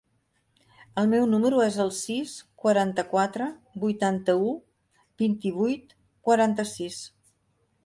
El meu número es el sis, quaranta-quatre, vuitanta-u, vint-i-vuit, quaranta-sis.